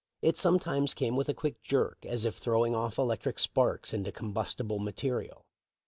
It sometimes came with a quick jerk, as if throwing off electric sparks into combustible material.